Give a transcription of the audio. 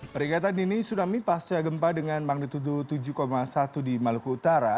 peringatan dini tsunami pasca gempa dengan magnitudo tujuh satu di maluku utara